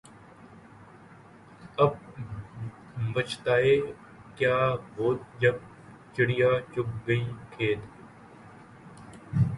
اب بچھتائے کیا ہوت جب چڑیا چگ گئی کھیت